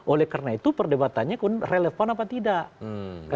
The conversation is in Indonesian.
oleh karena itu perdebatannya kemudian relevan apa tidak